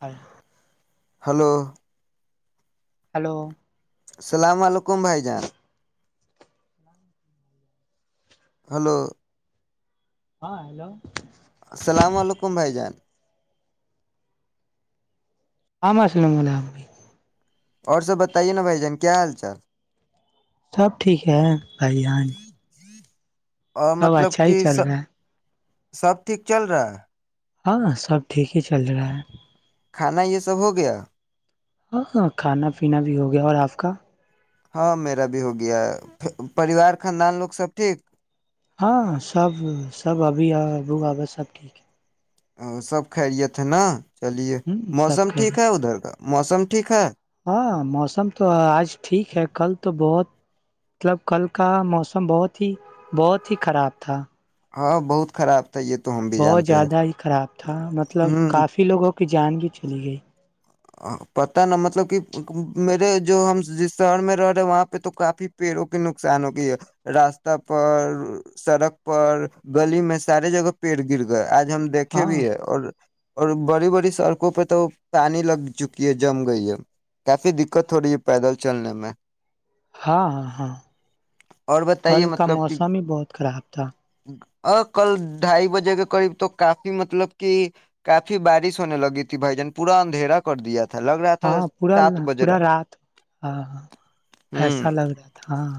اور [unintelligible] hello hello السلام علیکم وعلیکم بھائی جان ہلو ہاں ہیلو السلام علیکم بھائی جان آم سلو گ آ [unintelligible] اور سب بتائیے نا بھ جن کیا حال چال سب ٹھیک ہے بھائی جان اور سب مطلب اچھا ہی کہ چل رہا ہے سب ٹھیک چل رہا ہے ہاں سب ٹھیک ہی چل رہا ہے کھانا یہ سب ہو گیا ہاں ہاں کھانا پینا بھی ہو گیا اور آپ کا ہاں میرا بھی ہو گیا ہے پریوار خاندان لوگ سب ٹھیک ہاں سب سب ابھی ابو آ بس سب ٹھیک ہے اور سب خیرت ن چلیے ہے ہ سب موسم کہہ ٹھیک رہی ہے ادھر کا موسم ٹھا [inaudible] ہاں موسم تو آج ٹھیک ہے کل تو بہت مطلب کل کا موسم بہت ہی بہت ہی خراب تھا ہاں بہت خراب تھا یہ تو ہم بھی بہت جانتے ہیں زیادہ ہی خراب تھا مطلب ہ کافی لوگوں کو کی جان بھی چلی گئی پتا نا مطلب کہ میرے جو ہم ج شہر میں رہ رہے وہاں پہ تو کافی پیڑوں کے نقصان ہو گئی ہے راستہ پر سڑک پر گلی میں سارے جگہ پیڑ گر گئے آج ہم دیکھے ہاں بھی ہے اور اور بڑی بڑی سڑکوں پہ تو پانی لگ چکی ہے جم گئی ہے کافی دقت ہو رہی ہے پیدل چلنے میں ہاں ہاں ہاں اور کل بتائیے کا مطلب کہ موسم ہی بہت خراب تھا ا کل ڈھائی بجے کے قریب تو کافی مطلب کہ کافی بارش ہونے لگی تھی بھائی جان پورا اندھیرا کر دیا تھا لگ رہا تھا ہاں پورا سات بج رہا پورا رات ہاںاں ایسا لگ رہا تھا ہاں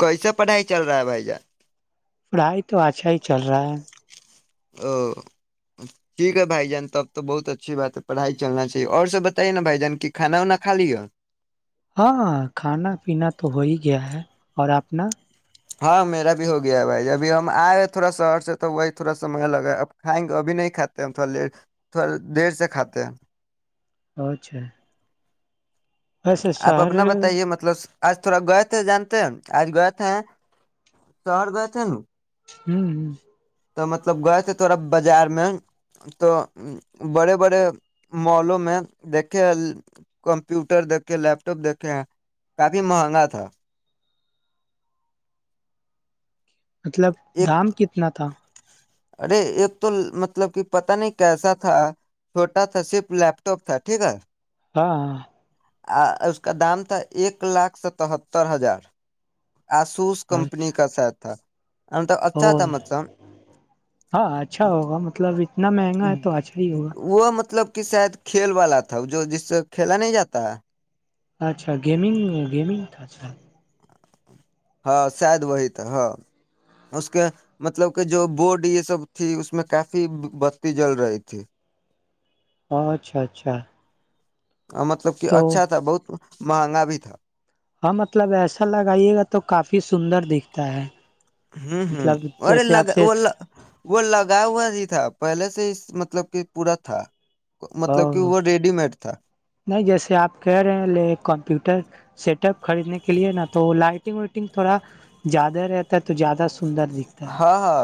کیسے پڑھائی چل رہا ہے بھائی جان پڑھائی تو اچھا ہی چل رہا ہے او ٹھیک ہے بھائی جان تب تو بہت اچھی بات ہے پڑھائی چلنا چاہیے اور سب بتائیے نا بھائی جان کہ کھانا وناا خا لی ہے ہاں کھانا پینا تو ہو ہی گیا ہے اور اپپنا ہاں میرا بھی ہو گیا ہے بھائی ابھی ہم آئے تھوڑا شہر سے تو وہی تھوڑا سام لگا ہے اب کھائیں گے ابھی نہیں کھاتے ہم تھوڑا دیر تھوڑا دیر سے کھاتے ہیں اچھا ویسے آپ شہر اپنا ہوں بتائیے مطلب آج تھوڑا گئے تھے جانتے ہیں آج گئے تھے شہر گئے تھے ن ہوں ہ تو مطلب گئے تھے تھوڑا بازار میں تو بڑے بڑے مالوں میں دیکھے کمپیوٹر دیکھے لیپ ٹاپ دیکھے کافی مہنگا تھا مطلب ایک دام کتنا تھا ارے ایک تو مطلب کہ پتا نہیں کیسا تھا چھوٹا تھا صرف لیپ ٹاپ تھا ٹھیک ہے ہاں ہاں آ اس کا دام تھا ایک لاکھ ستتر ہزار آسوس کمپنی کا سٹ تھا مطلب اچھا اور تھا مطلب ہاں اچھا ہوگا مطلب نہ مہنگا ہے تو آچھا ہی ہوگا وہ مطلب کہ شاید کھیل والا تھا جو جس سے کھیلا نہیں جاتا اچھا گیمگ گمگا ہاں شاید وہی تھا ہاں اس کے مطلب کہ جو بورڈ یہ سب تھی اس میں کافی بتی جل رہی تھی ہ اچھا اچھا مطلب کہ تو اچھا تھا بہت مہنگا بھی تھا ہاں مطلب ایسا لگائیے گا تو کافی سندر دکھتا ہے ہوں ہوں مطلب ارے جیسے آپ لگا سے وہ وہ لگا ہوا نہیں تھا پہلے سے مطلب کہ پورا تھا ا مطلب کہ وہ ریڈی میڈ تھا نہیں جیسے آپ کہہ رہے ہیں لے کمپیوٹر سیٹ اپ خریدنے کے لیے نا تو لائٹنگ وائٹنگ تھوڑا زیادہ رہتا ہے تو زیادہ سندر دکھتا ہے ہاں ہاں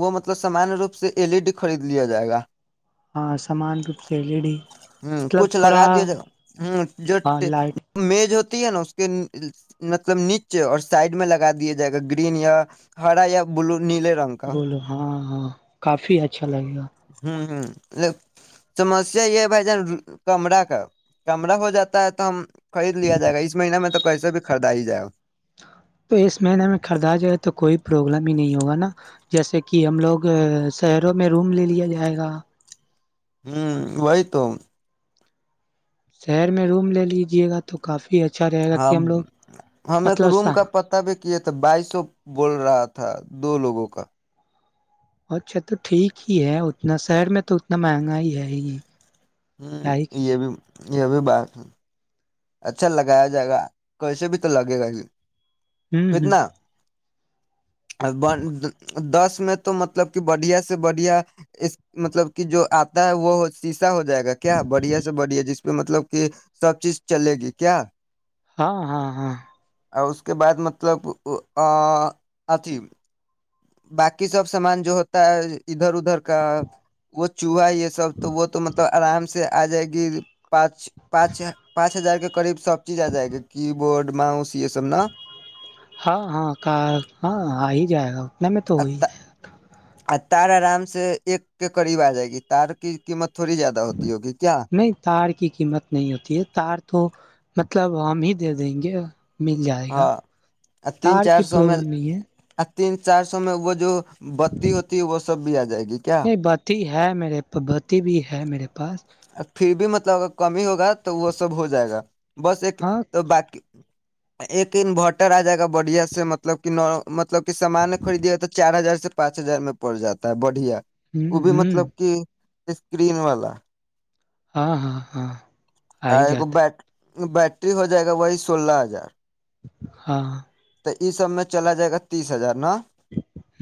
وہ مطلب سامانیہ روپ سے ایل ای ڈی خرید لیا جائے گا ہاں سامان روپ سے ایل ای ڈی ہ مطلب کچھ تھوڑا لگا دیا جا ہ جو ہاں لائٹ میز ہوتی ہے نا اس کے مطلب نیچے اور سائڈ میں لگا دیا جائے گا گرین یا ہرا یا بلو نیلے رنگ بولو ہاں ہاں کافی اچھا لگے گا ہوں ہوں سمسیا یہ ہے بھائی جان کمرہ کا کمرہ ہو جاتا ہے تو ہم خرید لیا جائے گا اس مہیہ میں ت پیسے بھی خریدا ہی جائے تو اس مہینے میں خریدا جائے تو کوئی پروابلم ہی نہیں ہوگا نا جیسے کہ ہم لوگ شہروں میں روم لے لیا جائے گا ہوں وہی تو شہر میں روم لے لیجے گا تو کافی اچا ہاں ہم ایک روم کا پت بھی کیے تھے بائیسو بول رہا تھا دو لوگوں کا اچھا تو ٹھیک ہی ہے اتنا شہر میں تو اتنا مہنگا ہی ہے یہ ہوں یہ بھی یہ بھی بات ہے اچھا لگایا جائے گا کیسے بھی تو لگے گا ہی ہوں ہوں دس میں تو مطلب کہ بڑھیا سے بڑھیا مطلب کہ جو آتا ہے وہی ہو جائے گ کیا بڑھیا سے بڑھیا جس پہ مطلب کہ سب چیز چلے گی کیا ہاں ہاں ہاں اور اس کے بعد مطلب اتیھی باقی سب سامان جو ہوتا ہے ادھر ادھر کا وہ تو ہے اس وقت تو وہ تو مطلب ارام سے آ جائے گی پانچ پانچ پانچ ہزار کے قریب سب چیز آ جائے گی کی بورڈ ماؤس یہ سب نا ہاں ہاں ک ہاں آ ہی جائے گا ان میں تو وہی ہے اور تار آرام سے ایک کے قریب آ جائے گی تار کی قیمت تھوڑی زیادہ ہوتی ہوگی کیا نہیں تار کی قیمت نہیں ہوتی ہے تار تو مطلب ہم ہی دے دیں گے مل جائے گا ہاں تین تار چار کی سو میں پرابلم نہیں ہے تین چار سو میں وہ جو بتی ہوتی ہے وہ سب بھی آ جائے گا نہیں بتی ہے میرے بتی بھی ہے میرے پاس پھر بھی مطلب اگر کمی ہوگا تو وہ سب ہو جائے گا بس ایک ہاں تو باقی ایک انوورٹر آ جائے گا بڑھیا سے مطلب کہ ن مطلب کہ سامان خریدیے ہوا تو چار ہزار سے پانچ ہزار میں پڑ جاتا ہے بڑھیا ہ وہ بھی ہ مطلب کہ اسکرین والا ہاں ہاں ہاں آ ہی کو جاتا ہے بٹ بیٹری ہو جائے گا وہی سولہ ہزار ہاں تو یہ سب میں چلا جائے گا تیس ہزار نا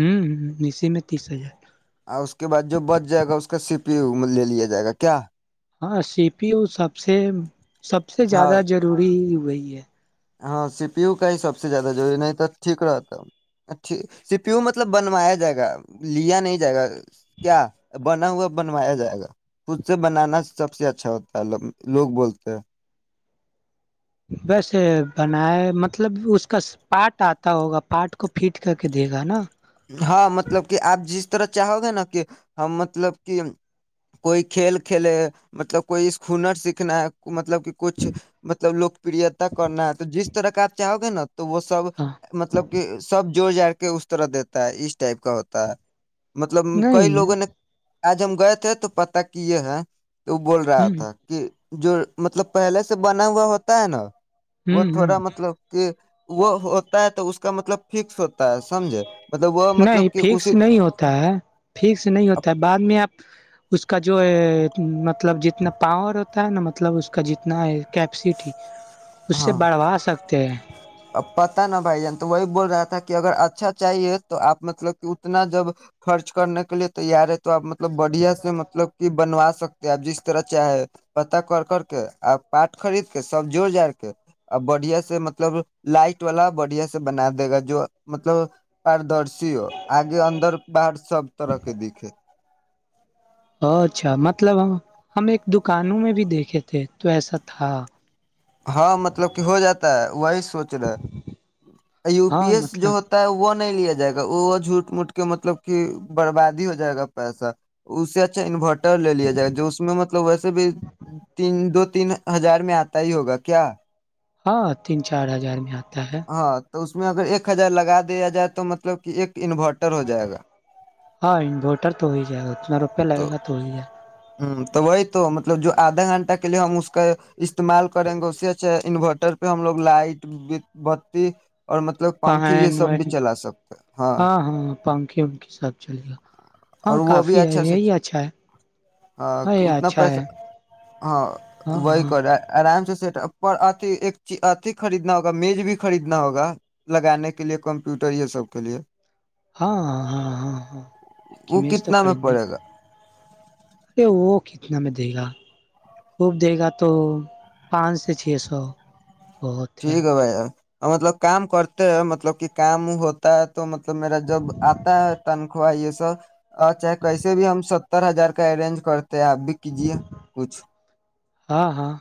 ہ اسی میں تیس ہزار اور اس کے بعد جو بچ جائے گا اس کا سپ پ لے لیا جائے گا کیا ہاں سی پیو سب سے سب سے ہاں زیادہ ضروری ہوی ہے ہاں سیپی و کا ہی سب سے زیادہ ضروری نہیں تو ٹھیک رہتایک سیپیو مطلب بنوایا جائے گا لیا نہیں جائے گا کیا بنا ہوا بنوایا جائے گا خود سے بنانا سب سے اچھا ہوتا ہے لوگ بولتے ہیں ویسے بنائے مطلب اس کا پارٹ آتا ہوگا پارٹ کو فٹ کر کے دے گا نا ہاں مطلب کہ آپ جس را چاہو گے نا کہ ہم مطلب کہ کوئی کھیل کھیلے مطلب کوئی ہنر سیکھنا مطلب کہ کچھ مطلب لوکپریتا کرنا ہے تو جس طرحقپ چاہو گے نا تو وہ سب ہاں مطلب کہ سب جوور جا کے اس طرح دی ہوتا اس ٹائپ کا ہوتا ہے مطلب کئی نہیں لوگوں نے آج ہم گئے تھے تو پتا کی یہ ہے تو وہ بول ہ رہا تھا کہ جو مطلب پہلے سے بنا ہوا ہوتا ہے نا ہ وہ ہ تھوڑا مطلب کہ وہ ہوتا ہے تو اس کا مطلب فکس ہوتا ہے سمجھے مطلب وہ نہیں مطلب کہ فکس اسی نہیں ہوتا ہے فکس نہیں ہوتا ہے بعد میں آپ اس کا جو ہے مطلب جتنا اتنا پاور ہوتا ہے نا مطلب اس کا جتنا ہے کیپسٹی اس سے بڑھوا سکتے ہیں ا پتا نا بھائی جان تو وہی بول رہا تھا کہ اگر اچھا چاہیے تو آپ مطلب کہ اتنا جب خرچ کرنے کے لیے تیار ہے تو آپ مطلب بڑھیا سے مطلب کہ بنوا سکتے ہیں آپ جس طرح چاہے پت کر کر کے آپ پارٹ خرید کے سب جوڑ جاار کے آ بڑھیا سے مطلب لائٹ والا بڑھیا سے بنا دے گا جو مطلب در سی ہو آگے اندر باہر سب طرح کے دکھے اچھا مطلب ہم ایک دکانوں میں بھی دیکھے تھے تو ایسا تھا ہاں مطلب کہ ہو جاتا ہے وہی سوچ رہے یو پی ہاں ایس جو مطلب ہوتا ہے وہ نہیں نہیں لیا جائے گا وہ جھوٹ موٹ کے مطلب کہ بربادی ہو جائے گا پیسہ اس سے اچھا انورٹر لے لیا جائے مب ویس بھی دو تین ہزار میں آتا ہی ہوگا کیا ہاں تین چار ہزار میں آتا ہے ہاں تو اس میں اگر ایک ہزار لگا دیا جائے تو مطلب کہ ایک انورٹر ہو جائے گا ہاں انورٹر تو ہو ہی جائے گا روپ لگے گا تو ہی ہے ہ تو وہی تو مطلب جو آدھا گھنٹہ کے لیے ہم اس کا استعمال کریں گے اس سے اچھا انورٹر پہ ہم لوگ لائٹ بتی اور مطلب پ پنکھے یہ و سب بھی چلا سکتے ہیں ہاں ہاں پنکھے وکھے ساتھ چلے گا ہاں اور وہ بھی کافی ہے اچھا سےچ یہی اچھا ہے ہاں یہ اتنا اچھا پیسہ ہے ہاں ہاں ہاں وہی ہاں کر آرام یٹ اھی خریدنا ہوگا میج بھی خریدنا ہوگا لگانے کے لیے کمپیوٹر یہ سب کے لیے ہاں ہاں ہاں ہاں ہاں وہ کہ میز تو کتنا میں خرید نہیں پڑے گا ارے وہ کتنا میں دے گا خوب دے گا تو پانچ سے چھ سو ٹھیک ہے بھائی مطلب کام کرتے ہیں مطلب کہ کام ہوتا ہے تو مطلب میرا جب آتا ہے تنخواہ یہ سب ا چاہے کیسے بھی ہم س ستر ہار کا ارنج کر آپ بھی کیجیے کچھچ ہاں ہاں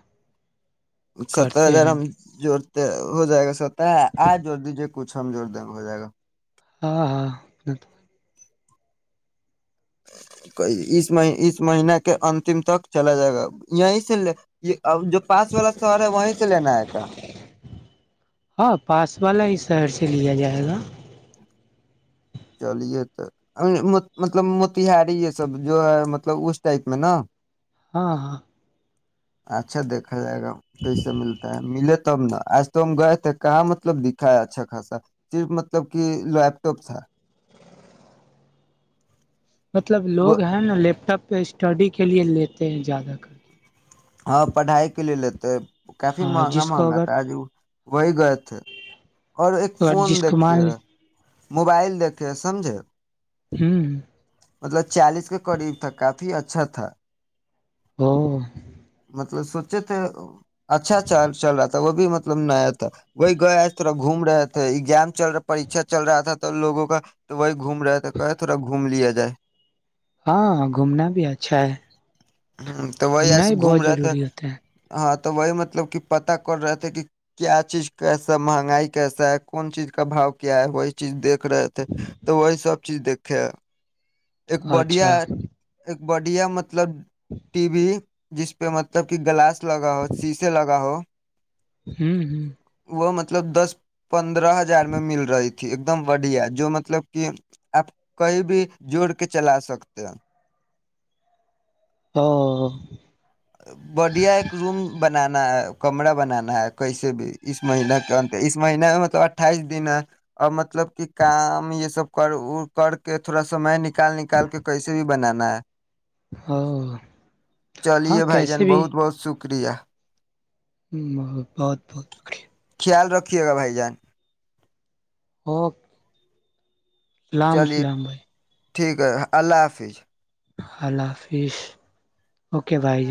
ستر کرتے ہیں ہزار ہم بھی جوڑتے ہو جائے گا سب آ جدی جو کچھ ہم جوور دیں گ ہو جائے گا ہاں ہاں اس مہینے کے اتم تک چلا جائے گا یہیں سے یہ ا جو پاس والا سر ہے وہیں سے لینا آئے کا سیر سے لیا جائے گا چلیے تو مطلب موتییہاری یہ سب جو ہے مطلب اس ٹائپ میں نا ہاں ہاں اچھا دیکھا ا جائے گا کیسے ملتا ہے ملے تو تب نا آج تو ہم گئے تھے کہاں مطلب دکھا ہے اچھا خاصا صرف مطلب کہ لیپ ٹاپ تھا مطلب وہ لوگ ہیں نا لیپٹاپ پہ اسٹڈی کے لیے لیتے ہیں زیادہ کر کے ہاں پڑھائی کے لیے ہےتے ہے کیفی ہاں مہنگا جس کو مہنگا اگر تھا آج وہ وہی گئے تھے اور ایک اگر فون جس کو مان دیکھےا موبائل دیکھ کے سمجھیں ہوں مطلب چالیس کے قریب تھا کافی اچھا تھا ہاں مطلب سوچے تھے اچھا چل رہا تھا وہ بھی مطلب نہیںیا تھا وہی گئے آئے تھوڑا گھوم رہے تھے ایگزام چل رہا پریچھا چل رہا تھا تو لوگوں کا تو وہی گھوم رہے تھے کہے تھوڑا گھوم لیا جائے ہاں گھومنا بھی اچھا ہے ہ تو وہی گھومنا ایس بھی گھوم بہت رہے تھ ضروری ہوتا ہے ہ وہی مطلب کہ پتا کر رہے تھے کہ کیا چیز کیسا مہنگائی کیسا ہے کون چیز کا باؤ کیا ہے وہی چیز دیکھ رہے تھے تو وہی سب سب چیز دیکھے ایک بڑھیا اچھا ایک بڑیا م مطلب ٹی وی جس پہ مطلب کہ گلاس لگا ہو شیشے لگا ہو ہوں ہ وہ مطلب دس پندرہ ہزار میں مل رہی تھی ایک دم بڑھیا جو مطلب کہ آپ کہئی بھی جوڑ کے چلا سکتے ہیں او بڈیا ایک روم بنانا ہے کمرہ بنانا ہے کیسے بھی اس مہین کے انر اس مہین میں مطلب اٹھائیس دن ہے اور مطلب کہ کام یہ سب کر کر کے تھوڑا سم میں نک نکال نکال کے کیسے بھی بنانا ہے او ہاں چلیے بھائی کیسے جان بہت بہت شکریہ ہ ب بہت بہت شکریہ خیال رکھیے گا بھائی جان ہک اللام ال چلیے اسلام بھائی ٹھیک ہے اللہ حافظ اللہ حافظ اوکے بھائی ار